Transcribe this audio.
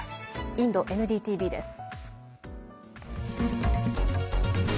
インドＮＤＴＶです。